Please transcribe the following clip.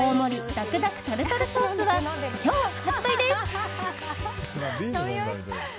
だくだくタルタルソースは今日、発売です。